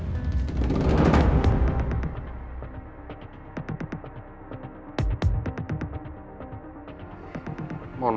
tidak ada yang mengurus